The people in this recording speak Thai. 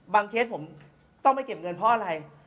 เคสผมต้องไปเก็บเงินเพราะอะไร